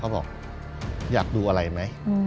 บอกอยากดูอะไรไหม